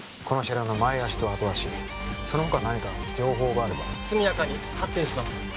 この車両の前足と後足その他何か情報があれば速やかに発見します